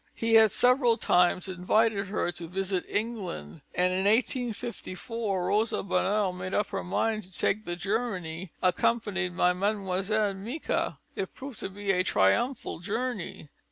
He had several times invited her to visit England; in 1854 Rosa Bonheur made up her mind to take the journey, accompanied by Mlle. Micas. It proved to be a triumphal journey.